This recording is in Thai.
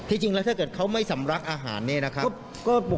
จริงแล้วถ้าเกิดเขาไม่สำรักอาหารเนี่ยนะครับ